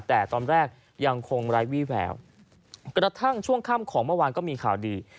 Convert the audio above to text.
แต่ตอนแรกยังคงไร้วี่แววกระทั่งช่วงค่ำของเมื่อวานก็มีข่าวดี